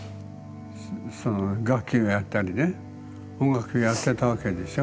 その楽器をやったりね音楽やってたわけでしょ。